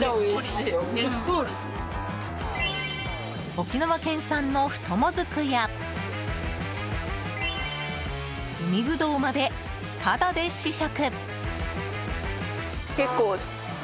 沖縄県産の太もずくや海ぶどうまでタダで試食！